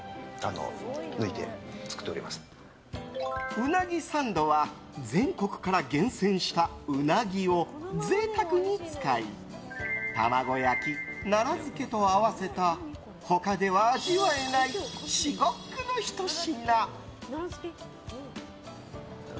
ウナギサンドは全国から厳選したウナギを贅沢に使い卵焼き、奈良漬けと合わせた他では味わえない至極のひと品。